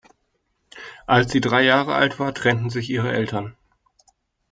Als sie drei Jahre alt war, trennten sich ihre Eltern.